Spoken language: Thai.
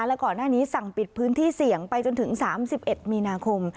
และก่อนหน้านี้สั่งปิดพื้นที่เสี่ยงไปจนถึง๓๑มีนาคม